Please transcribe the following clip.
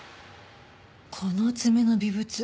この爪の微物